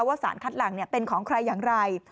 สารคัดหลังเป็นของใครอย่างไร